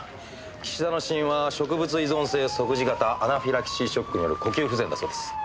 岸田の死因は食物依存性即時型アナフィラキシーショックによる呼吸不全だそうです。